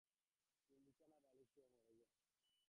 আমারও ভালো ঠেকছে না।